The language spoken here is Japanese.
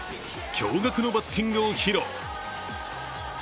驚がくのバッティングを披露。